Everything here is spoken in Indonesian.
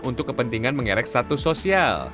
untuk kepentingan mengerek status sosial